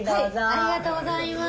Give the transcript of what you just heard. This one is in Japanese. ありがとうございます。